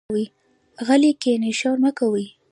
غلي کېنئ، شور مۀ کوئ.